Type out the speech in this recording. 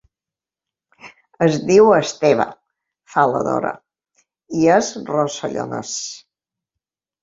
Es diu Esteve —fa la Dora—, i és rossellonès.